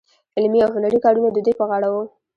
علمي او هنري کارونه د دوی په غاړه وو.